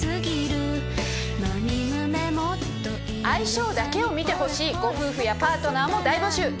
相性だけを見てほしいご夫婦やパートナーも大募集。